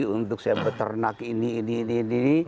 untuk saya peternak ini ini ini